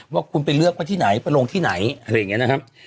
ว่าคุณไปเลือกไว้ที่ไหนไปลงที่ไหนอะไรอย่างนี้นะครับ